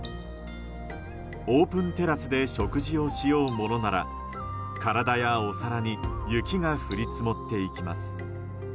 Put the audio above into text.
オープンテラスで食事をしようものなら体や、お皿に雪が降り積もっていきます。